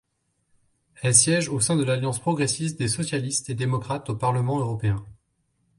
Elle siège au sein de l'Alliance progressiste des socialistes et démocrates au Parlement européen.